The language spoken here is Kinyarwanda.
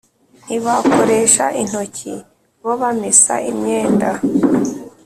ntibakoresha intoki bo bamesa imyenda